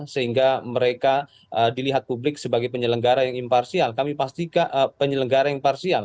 sehingga mereka dilihat publik sebagai penyelenggara yang imparsial